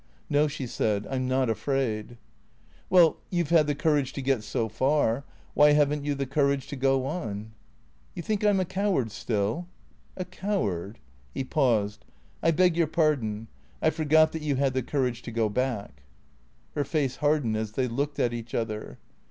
" No," she said. " I am not afraid." " Well — you 've had the courage to get so far, why have n't you the courage to go on ?"" You think I 'm a coward still ?"" A coward." He paused. " I beg your pardon. I forgot that you had the courage to go back." Her face hardened as they looked at each other.